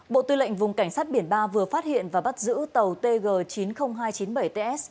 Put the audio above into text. bộ tư lệnh vùng cảnh sát biển ba vừa phát hiện và bắt giữ tàu tg chín mươi nghìn hai trăm chín mươi bảy ts